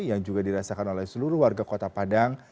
yang juga dirasakan oleh seluruh warga kota padang